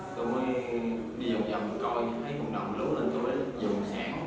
tôi mới đi vòng vòng coi thấy quần đồng lú lên tôi mới dùng sản